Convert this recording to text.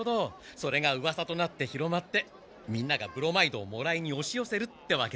それがうわさとなって広まってみんながブロマイドをもらいにおしよせるってわけだな。